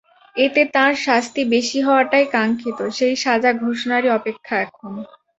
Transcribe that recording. এতে তাঁর শাস্তি বেশি হওয়াটাই কাঙ্ক্ষিত, সেই সাজা ঘোষণারই অপেক্ষা এখন।